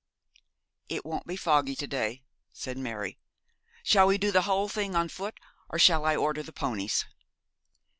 'It won't be foggy to day,' said Mary. 'Shall we do the whole thing on foot, or shall I order the ponies?'